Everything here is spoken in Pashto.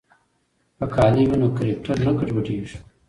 که کالي وي نو کرکټر نه ګډوډیږي.